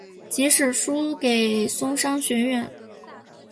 即使输给松商学园。